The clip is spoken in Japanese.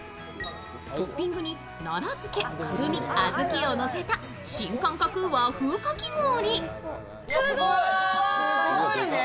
トッピングになら漬け、くるみ、小豆をのせた新感覚和風かき氷。